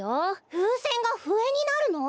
ふうせんがふえになるの？